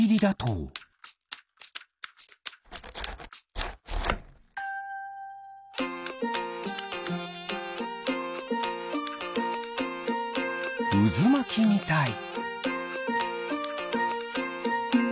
うずまきみたい。